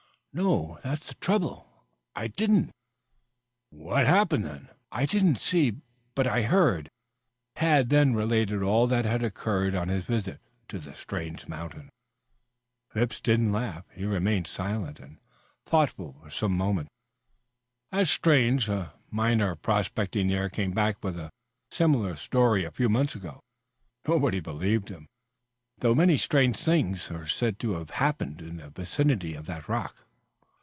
"No, that's the trouble. I didn't." "What happened then?" "I did not see, but I heard." Tad then related all that had occurred on his visit to the strange mountain. Phipps did not laugh. He remained silent and thoughtful for some moments. "That's strange. A miner prospecting there came back with a similar story a few months ago. Nobody believed him, though many strange things are said to have happened in the vicinity of that rock."